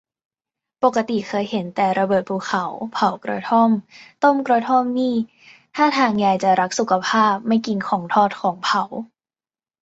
ปกติเคยเห็นแต่ระเบิดภูเขา เผากระท่อม ต้มกระท่อมนี่ ท่าทางยายจะรักสุขภาพ ไม่กินของทอดของเผา